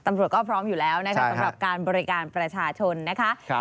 ตำรวจก็พร้อมอยู่แล้วนะครับสำหรับการบริการประชาชนนะคะ